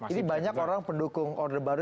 ini banyak orang pendukung orde baru